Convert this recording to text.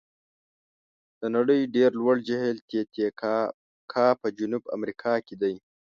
د نړۍ ډېر لوړ جهیل تي تي کاکا په جنوب امریکا کې دی.